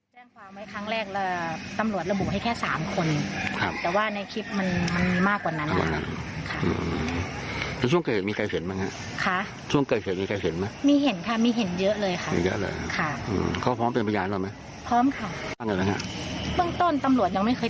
เยอะเลยค่ะเบื้องต้นถึงตำรวจยังไม่เคย